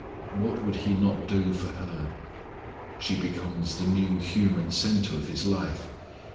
What would he not do for her! She becomes the new human centre of his life.